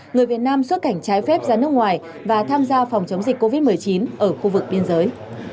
người việt nam xuất cảnh trái phép ra nước ngoài và tham gia phòng chống dịch covid một mươi chín ở khu vực biên giới